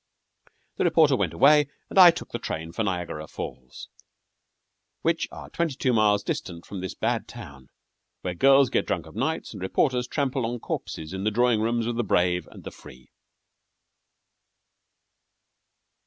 The reporter went away, and I took a train for Niagara Falls, which are twenty two miles distant from this bad town, where girls get drunk of nights and reporters trample on corpses in the drawing rooms of the brave and the free!